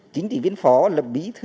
chính trị viên phó lập bí thư